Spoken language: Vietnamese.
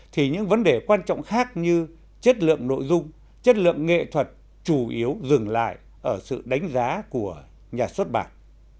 thì những vấn đề quan trọng khác như chất lượng nội dung chất lượng nghệ thuật chủ yếu dừng lại ở sự đánh giá của nhà xuất bản